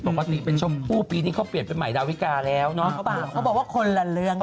คือเป็นชมพูปีที่เขาเปลี่ยนเป็นใหม่ดาวิกาแล้วก็บอกว่าคนหลังเรือง